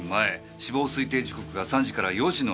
死亡推定時刻が３時から４時の間。